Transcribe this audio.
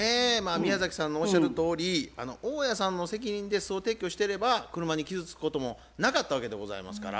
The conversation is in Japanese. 宮崎さんのおっしゃるとおり大家さんの責任で巣を撤去してれば車に傷つくこともなかったわけでございますから。